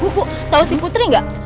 bu tahu si putri nggak